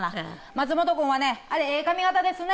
松本君はねあれええ髪形ですね。